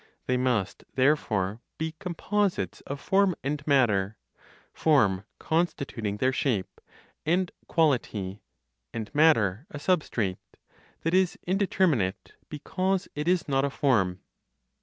They must therefore be composites of form and matter; form constituting their shape and quality, and matter a substrate that is indeterminate, because it is not a form.